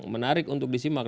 menarik untuk disimak